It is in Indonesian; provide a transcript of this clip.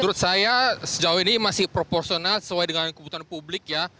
menurut saya sejauh ini masih proporsional sesuai dengan kebutuhan publik ya